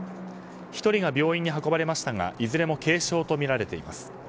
１人が病院に運ばれましたがいずれも軽傷とみられています。